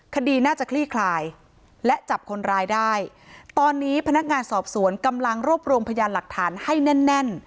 คดีน่าจะคลี่คลายและจับคนร้ายได้ตอนนี้พนักงานสอบสวนกำลังรวบรวมพยานหลักฐานให้แน่นแน่น